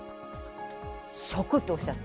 食とおっしゃった。